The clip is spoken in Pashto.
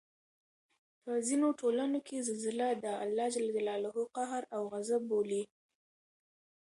په ځینو ټولنو کې زلزله د الله ج قهر او غصب بولي